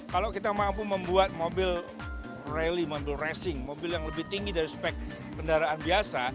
kalau kita mampu membuat mobil rally mobil racing mobil yang lebih tinggi dari spek kendaraan biasa